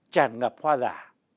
chàn ngập hoa giả